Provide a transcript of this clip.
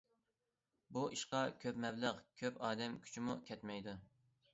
بۇ ئىشقا كۆپ مەبلەغ، كۆپ ئادەم كۈچىمۇ كەتمەيدۇ.